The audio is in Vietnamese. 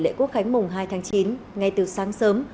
lễ quốc khánh mùng hai tháng chín ngay từ sáng sớm